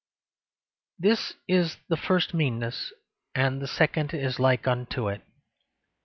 This is the first meanness; and the second is like unto it.